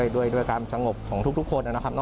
ด้วยความสงบของทุกคนนะครับ